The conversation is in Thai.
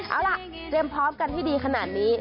เอาล่ะเตรียมพร้อมกันให้ดีขนาดนี้